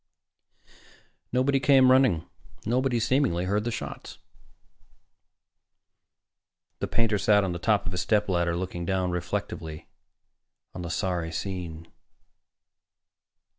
Nobody came running. Nobody, seemingly, heard the shots. The painter sat on the top of his stepladder, looking down reflectively on the sorry scene.